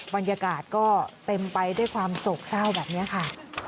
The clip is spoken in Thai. บรรยากาศก็เต็มไปด้วยความโศกเศร้าแบบนี้ค่ะ